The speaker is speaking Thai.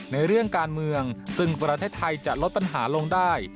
เรื่องการเมืองซึ่งประเทศไทยจะลดปัญหาลงได้